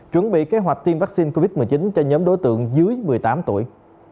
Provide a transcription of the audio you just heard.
chuẩn bị kế hoạch tiêm vaccine covid một mươi chín cho nhóm đối tượng dưới một mươi tám tuổi